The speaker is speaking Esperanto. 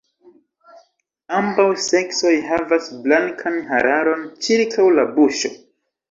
Ambaŭ seksoj havas blankan hararon ĉirkaŭ la buŝo.